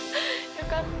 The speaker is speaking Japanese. よかった。